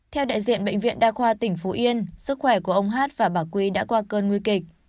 theo đại diện bệnh viện đa khoa tỉnh phú yên sức khỏe của ông hát và bà quy đã qua cơn nguy kịch